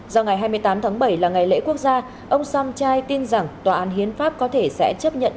do ngày hai mươi tám tháng bảy là ngày lễ quốc gia ông somchai tin rằng tòa án hiến pháp có thể sẽ chấp nhận